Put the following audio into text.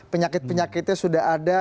penyakit penyakitnya sudah ada